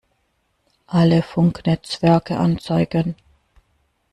Alle Funknetzwerke anzeigen!